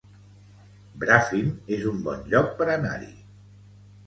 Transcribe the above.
Bràfim es un bon lloc per anar-hi